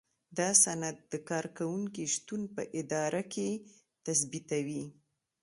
دا سند د کارکوونکي شتون په اداره کې تثبیتوي.